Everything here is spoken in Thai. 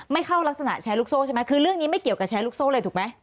ไม่เข้ารักษณะแชร์ลูกโซ่ใช่ไหมคือเรื่องนี้ไม่เกี่ยวกับแชร์ลูกโซ่เลยถูกไหม